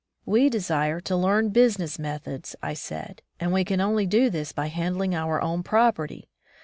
"We desire to learn business methods," I said, "and we can only do this by handling our own property.